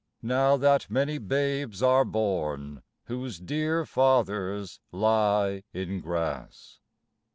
Now that many babes are born Whose dear fathers lie in grass.